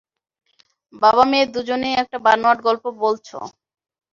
বাবা-মেয়ে দুজনেই একটা বানোয়াট গল্প বলছো।